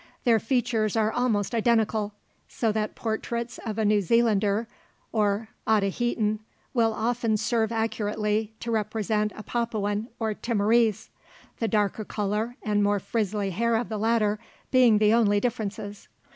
Their features are almost identical, so that portraits of a New Zealander or Otaheitan will often serve accurately to represent a Papuan or Timorese, the darker colour and more frizzly hair of the latter being the only differences.